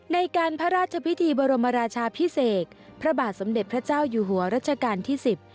ในการพระราชพิธีบรมราชาพิเศษพระบาทสมเด็จพระเจ้าอยู่หัวรัชกาลที่สิบ